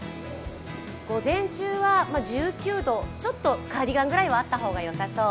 午前中は１９度、ちょっとカーディガンくらいはあった方がよさそう。